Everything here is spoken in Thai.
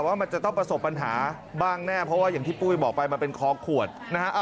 ว่ามันจะต้องประสบปัญหาบ้างแน่เพราะว่าอย่างที่ปุ้ยบอกไปมันเป็นคอขวดนะฮะ